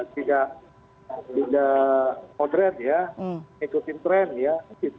tidak modern ya ikutin trend ya gitu